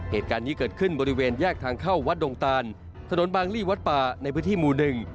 เหตุการณ์นี้เกิดขึ้นบริเวณแยกทางเข้าวัดดงตานถนนบางลี่วัดป่าในพื้นที่หมู่หนึ่ง